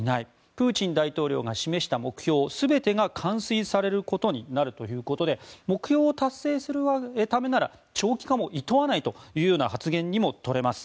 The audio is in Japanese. プーチン大統領が示した目標全てが完遂されることになるということで目標を達成するためなら長期化もいとわないという発言にもとれます。